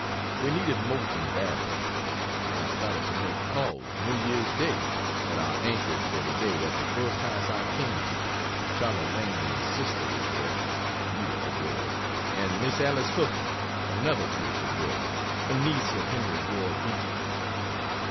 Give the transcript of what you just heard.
We needed Moulton badly. I started to make calls, New Year's Day, but I anchored for the day at the first house I came to Charlie Langdon's sister was there (beautiful girl,) and Miss Alice Hooker, another beautiful girl, a niece of Henry Ward Beecher's.